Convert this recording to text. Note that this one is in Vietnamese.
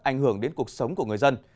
ảnh hưởng đến cuộc sống của người dân